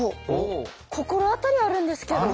心当たりあるんですけど。